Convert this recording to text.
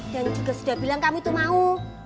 dan juga sudah bilang kami tuh mau